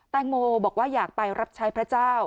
แตงโมบอกว่าอยากไปรับใช้พระเจ้า